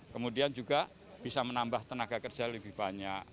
kemudian juga bisa menambah tenaga kerja lebih banyak